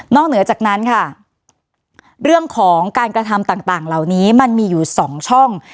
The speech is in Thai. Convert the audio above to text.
เหนือจากนั้นค่ะเรื่องของการกระทำต่างเหล่านี้มันมีอยู่สองช่อง